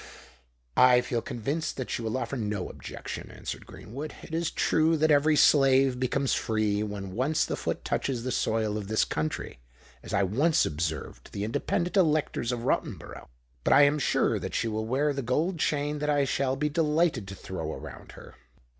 "I feel convinced that she will offer no objection," answered Greenwood. "It is true that every slave becomes free when once the foot touches the soil of this country, as I once observed to the independent electors of Rottenborough;—but I am sure that she will wear the gold chain that I shall be delighted to throw around her."